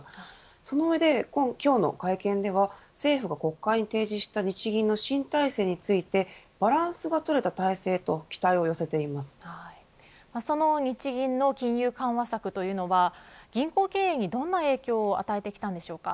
その上で今日の会見では政府が国会に提示した日銀の新体制についてバランスが取れた体制とその日銀の金融緩和策というのは銀行経営にどんな影響を与えてき